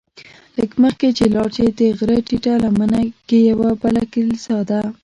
لږ مخکې چې لاړ شې د غره ټیټه لمنه کې یوه بله کلیسا ده.